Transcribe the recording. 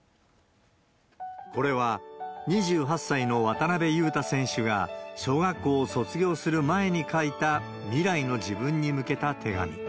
これは２８歳の渡邊雄太選手が小学校を卒業する前に書いた、未来の自分に向けた手紙。